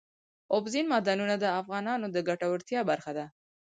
اوبزین معدنونه د افغانانو د ګټورتیا برخه ده.